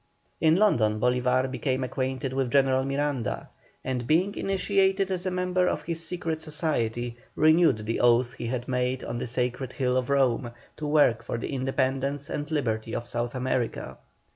In London Bolívar became acquainted with General Miranda, and being initiated as a member of his Secret Society, renewed the oath he had made on the sacred hill of Rome, to work for the independence and liberty of South America.